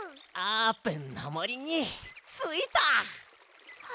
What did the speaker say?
あーぷんのもりについた！